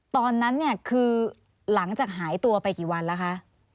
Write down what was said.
ตอนนั้นเนี่ยคือหลังจากหายตัวไปกี่วันแล้วคะ